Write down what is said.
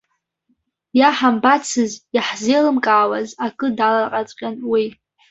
Иаҳамбацыз, иаҳзеилымкаауаз акы далаҟаҵәҟьан уи.